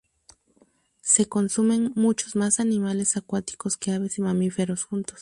Se consumen muchos más animales acuáticos que aves y mamíferos juntos.